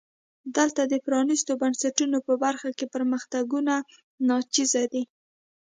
دلته د پرانیستو بنسټونو په برخه کې پرمختګونه ناچیزه دي.